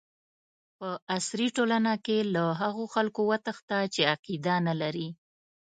په عصري ټولنه کې له هغو خلکو وتښته چې عقیده نه لري.